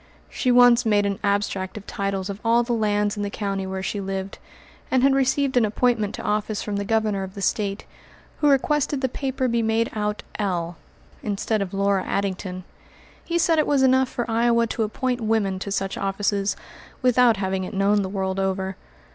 She once made an abstract of titles of all the lands in the county where she lived, and had received an appointment to office from the Governor of the State, who requested the paper to be made out "L." instead of Laura Addington. He said it was enough for Iowa to appoint women to such offices, without having it known the world over.